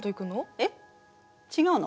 えっ違うの？